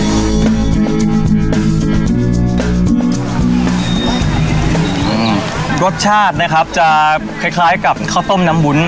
รสชาตินะครับจะคล้ายคล้ายกับข้าวต้มน้ำวุ้น